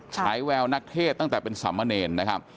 ใช้แววนักเทศตั้งแต่เป็นสำเมินนะครับ